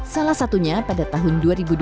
salah satunya pada tahun dua ribu dua puluh